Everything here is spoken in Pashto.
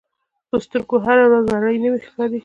په سترګو هره ورځ نړۍ نوې ښکاري